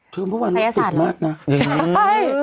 เชิงพระมุมถูกไหมใช่